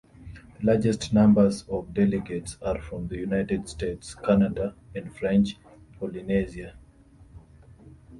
The largest numbers of delegates are from the United States, Canada and French Polynesia.